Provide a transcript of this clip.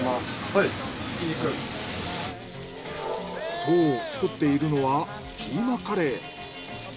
そう作っているのはキーマカレー！